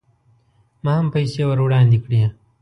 ما هم پیسې ور وړاندې کړې.